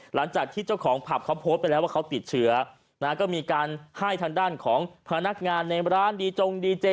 หลังจากที่เจ้าของผับเขาโพสต์ไปแล้วว่าเขาติดเชื้อนะก็มีการให้ทางด้านของพนักงานในร้านดีจงดีเจ